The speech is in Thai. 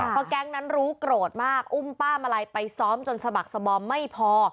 เพราะแก๊งนั้นรู้โกรธมากอุ้มป้ามาลัยไปซ้อมจนสะบักสบอมไม่พอ